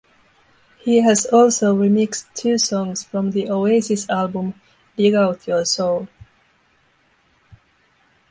He has also remixed two songs from the Oasis album, "Dig Out Your Soul".